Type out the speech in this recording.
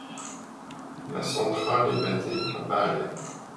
La centrale est basée à Bâle.